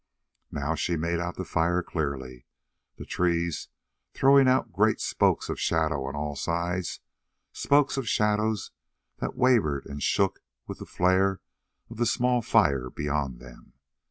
Now she made out the fire clearly, the trees throwing out great spokes of shadow on all sides, spokes of shadows that wavered and shook with the flare of the small fire beyond them.